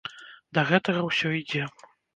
Да гэтага ўсё ідзе.